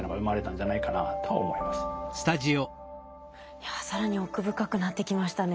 いや更に奥深くなってきましたね。